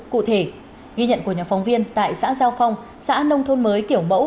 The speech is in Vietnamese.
cụ thể ghi nhận của nhóm phóng viên tại xã giao phong xã nông thôn mới kiểu mẫu